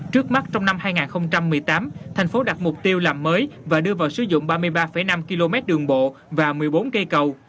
trước mắt trong năm hai nghìn một mươi tám thành phố đặt mục tiêu làm mới và đưa vào sử dụng ba mươi ba năm km đường bộ và một mươi bốn cây cầu